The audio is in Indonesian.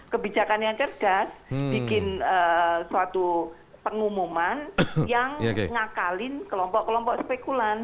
kebijakan yang cerdas bikin suatu pengumuman yang ngakalin kelompok kelompok spekulan